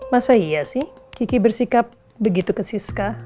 masa iya sih kiki bersikap begitu ke siska